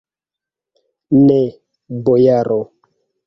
Ne, bojaro!